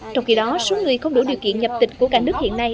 trong khi đó số người không đủ điều kiện nhập tịch của cả nước hiện nay